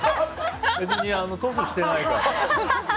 別にトスしてないから。